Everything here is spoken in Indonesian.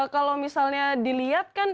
kalau misalnya dilihatkan